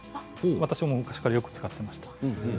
私も昔からよく使っていました。